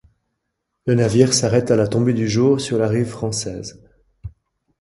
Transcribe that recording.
Le navire s'arrête à la tombée du jour sur la rive française.